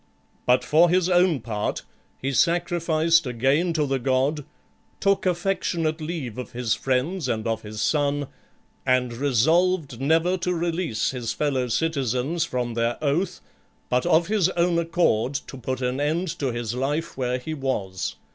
But for his own part, he sacrificed again to the god, took affectionate leave of his friends and of his son, and resolved never to release his fellow citizens from their oath, but of his own accord to put an end to his life where he was.